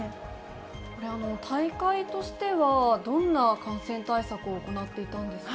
これ、大会としてはどんな感染対策を行っていたんですか？